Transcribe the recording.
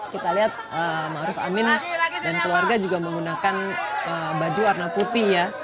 kita lihat amin dan keluarga juga menggunakan baju warna putih ya